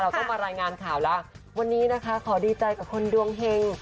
ต้องมารายงานข่าวแล้ววันนี้นะคะขอดีใจกับคนดวงเฮง